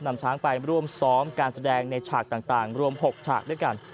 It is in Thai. นำช้างไปร่วมซ้อมการแสดงในฉากต่างรวม๖ฉากด้วยกัน